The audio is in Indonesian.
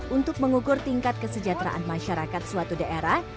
untuk mengukur tingkat kesejahteraan masyarakat suatu daerah